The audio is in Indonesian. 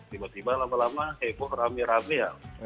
tiba tiba lama lama heboh rame rame ya